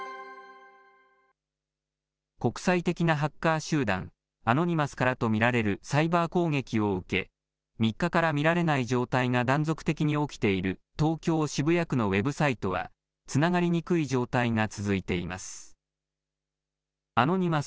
国際的なハッカー集団、アノニマスからと見られるサイバー攻撃を受け、３日から見られない状態が断続的に起きている東京・渋谷区のウェブサイトは、つながりにくい状態が続いています。